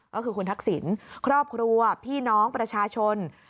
ก็คือคุณทักษิณครอบครัวพี่น้องประชาชน